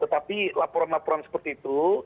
tetapi laporan laporan seperti itu